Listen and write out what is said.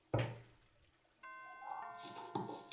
তিনি Karl Marx ও Friedrich এঙ্গেলসের বন্ধু ও সহকর্মী ছিলেন।